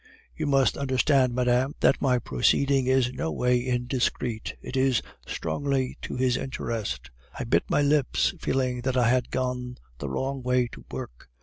"'You must understand, madame, that my proceeding is no way indiscreet. It is strongly to his interest ' I bit my lips, feeling that I had gone the wrong way to work.